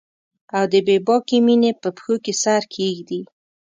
او د بې باکې میینې په پښو کې سر کښیږدي